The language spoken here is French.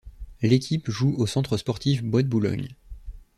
L'équipe joue au Centre sportif Bois-de-Boulogne.